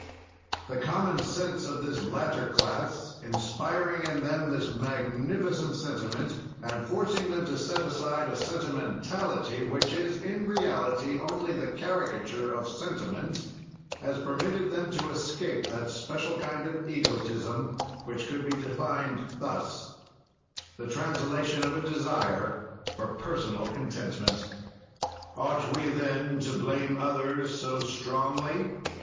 "The common sense of this latter class inspiring in them this magnificent sentiment, and forcing them to set aside a sentimentality which is, in reality, only the caricature of sentiment, has permitted them to escape that special kind of egotism, which could be defined thus: The translation of a desire for personal contentment. "Ought we then to blame others so strongly?